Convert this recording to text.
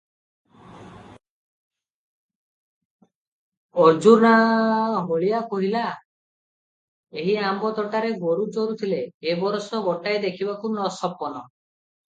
"ଅର୍ଜ୍ଜୁନା ହଳିଆ କହିଲା, "ଏହି ଆମ୍ବ ତୋଟାରେ ଗୋରୁ ଚରୁଥିଲେ, ଏ ବରଷ ଗୋଟାଏ ଦେଖିବାକୁ ସପନ ।